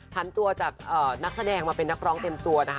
พันตัวจากนักแสดงมาเป็นนักร้องเต็มตัวนะคะ